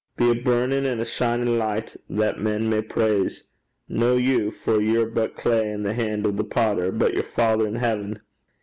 Be a burnin' an' a shinin' licht, that men may praise, no you, for ye're but clay i' the han's o' the potter, but yer Father in heaven.